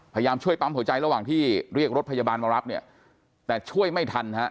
พยายามช่วยปั๊มหัวใจระหว่างที่เรียกรถพยาบาลมารับเนี่ยแต่ช่วยไม่ทันฮะ